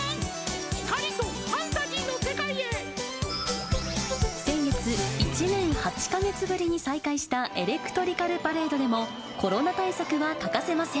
光とファ先月、１年８か月ぶりに再開したエレクトリカルパレードでも、コロナ対策は欠かせません。